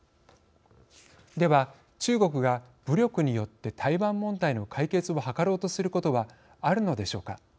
では、中国が武力によって台湾問題の解決を図ろうとすることはあるのでしょうか。